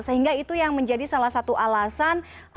sehingga itu yang menjadi salah satu alasan